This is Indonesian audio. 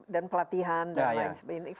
dan pelatihan dan lain sebagainya